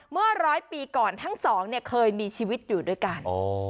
เมื่อร้อยปีก่อนทั้งสองเคยมีชีวิตอยู่ด้วยกัน